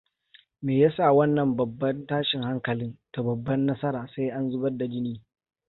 Me yasa wannan babban tashin hankali da babbar nasara sai an zubar da jini?